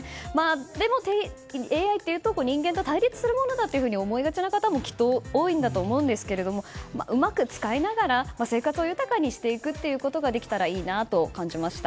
でも、ＡＩというと人間と対立するものだと思いがちな方も多いんだと思うんですがうまく使いながら生活を豊かにしていくことができたらいいなと感じました。